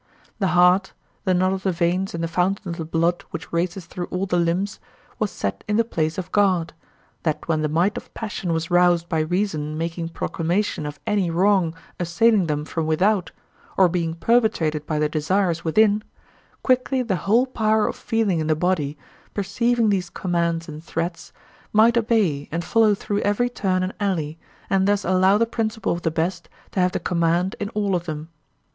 The heart, the knot of the veins and the fountain of the blood which races through all the limbs, was set in the place of guard, that when the might of passion was roused by reason making proclamation of any wrong assailing them from without or being perpetrated by the desires within, quickly the whole power of feeling in the body, perceiving these commands and threats, might obey and follow through every turn and alley, and thus allow the principle of the best to have the command in all of them.